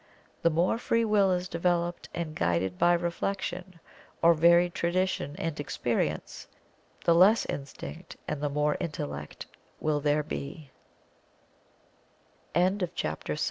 The more free Will is developed and guided by reflection, or varied tradition and experience, the less instinct and the more intellect wi